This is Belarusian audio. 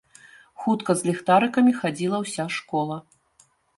Хутка з ліхтарыкамі хадзіла ўся школа.